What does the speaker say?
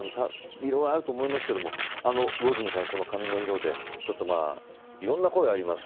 いろいろあると思いますけど魚住さん、この髪の色でいろんな声があります。